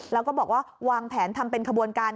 แล้วก็บอกว่าวางแผนทำเป็นขบวนการ